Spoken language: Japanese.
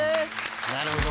なるほど。